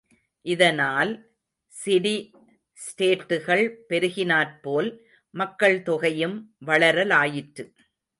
இதனால் சிடி ஸ்டேட்டுகள் பெருகினாற்போல், மக்கள்தொகையும் வளரலாயிற்று.